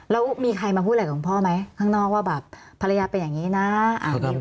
แล้วมีใครมาพูดอะไรกับคุณพ่อไหมข้างนอกว่าแบบภรรยาเป็นอย่างนี้นะ